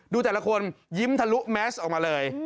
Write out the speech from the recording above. แต่ละคนยิ้มทะลุแมสออกมาเลย